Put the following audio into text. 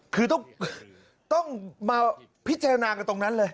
คือต้องมาพิจารณากันตรงนั้นเลย